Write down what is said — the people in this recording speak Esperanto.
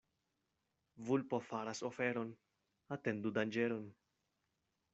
Vulpo faras oferon — atendu danĝeron.